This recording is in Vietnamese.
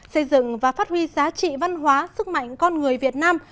xây dựng và phát huy giá trị văn hóa sức mạnh con người việt nam